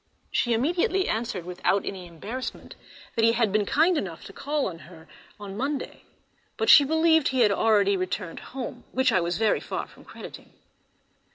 She immediately answered, without any embarrassment, that he had been kind enough to call on her on Monday; but she believed he had already returned home, which I was very far from crediting.